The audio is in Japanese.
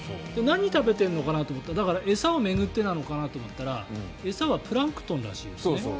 何を食べてるのかなと思って餌を巡ってかなと思ったら餌はプランクトンらしいですよ。